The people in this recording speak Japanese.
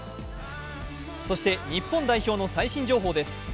そして、日本代表の最新情報です。